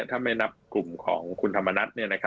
ถ้าไม่นับกลุ่มของคุณธรรมนัฐ